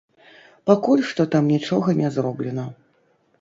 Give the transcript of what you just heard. Пакуль што там нічога не зроблена.